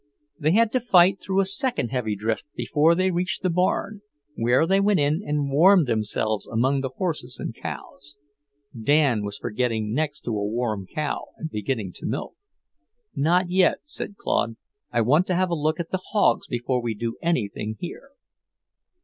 They had to fight through a second heavy drift before they reached the barn, where they went in and warmed themselves among the horses and cows. Dan was for getting next a warm cow and beginning to milk. "Not yet," said Claude. "I want to have a look at the hogs before we do anything here."